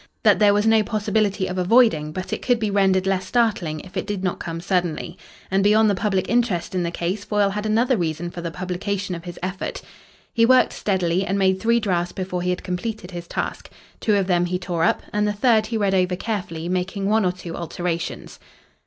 That there was no possibility of avoiding, but it could be rendered less startling if it did not come suddenly. And beyond the public interest in the case Foyle had another reason for the publication of his effort. He worked steadily and made three drafts before he had completed his task. Two of them he tore up, and the third he read over carefully, making one or two alterations.